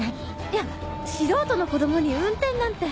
いや素人の子供に運転なんて。